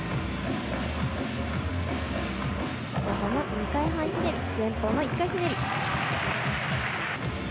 ２回半ひねり前方の１回半ひねり。